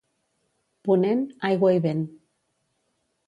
Ponent, aigua i vent.